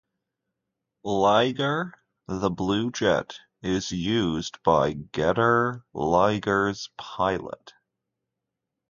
Liger, the blue jet, is used by Getter Liger's pilot.